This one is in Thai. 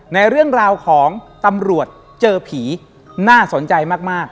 ในเรื่องราวของตำรวจเจอผีน่าสนใจมาก